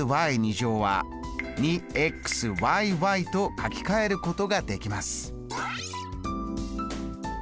書きかえることができます。